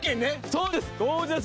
そうです！